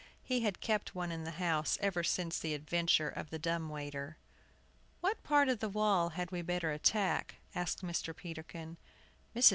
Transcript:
He had kept one in the house ever since the adventure of the dumb waiter. "What part of the wall had we better attack?" asked Mr. Peterkin. Mrs.